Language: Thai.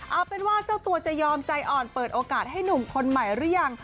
เอาเป็นว่าเจ้าตัวจะยอมใจอ่อนเปิดโอกาสให้หนุ่มคนใหม่หรือยัง